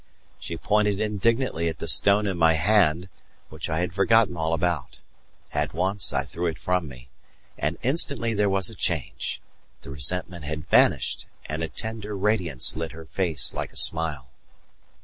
She pointed indignantly at the stone in my hand, which I had forgotten all about. At once I threw it from me, and instantly there was a change; the resentment had vanished, and a tender radiance lit her face like a smile.